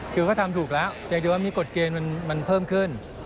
คือเขาทำถูกแล้วอย่างเดียวว่ามีกฎเกณฑ์มันเพิ่มขึ้น